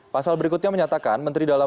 pasal berikutnya menyatakan